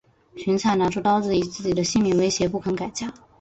荀采拿出刀子以自己的性命威胁不肯改嫁。